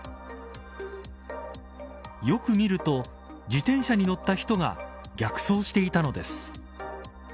よく見ると自転車に乗った人が逆走していたのです。